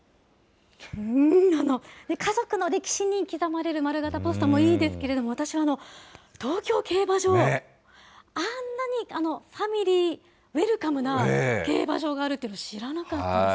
家族の歴史に刻まれる丸型ポストもいいですけれども、私、東京競馬場、あんなにファミリーウエルカムな競馬場があるって知らなかったです。